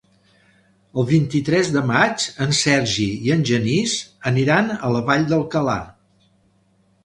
El vint-i-tres de maig en Sergi i en Genís aniran a la Vall d'Alcalà.